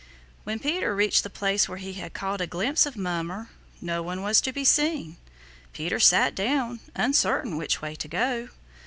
When Peter reached the place where he had caught a glimpse of Mummer, no one was to be seen. Peter sat down, uncertain which way to go.